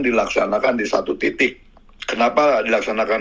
dilaksanakan di satu titik kenapa dilaksanakan